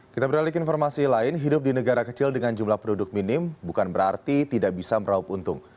kita beralih ke informasi lain hidup di negara kecil dengan jumlah penduduk minim bukan berarti tidak bisa meraup untung